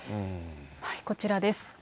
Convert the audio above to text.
こちらです。